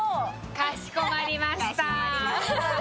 かしこまりました。